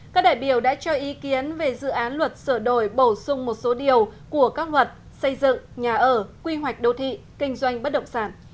các đại biểu đã cho ý kiến về dự án luật sửa đổi bổ sung một số điều của các luật xây dựng nhà ở quy hoạch đô thị kinh doanh bất động sản